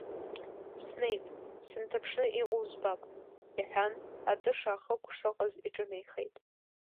Снеип, сынҭаԥшны иҟоу збап, — иҳәан, атыша ахықә шыҟаз иҿынеихеит.